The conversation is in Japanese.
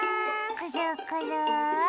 くるくる。